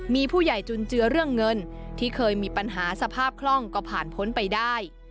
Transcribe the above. มีผู้ใหญ่จุนเจือเรื่องเงินที่เคยมีปัญหาสภาพคล่องก็ผ่านพ้นไปได้